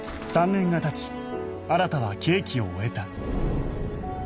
３年が経ち新は刑期を終えた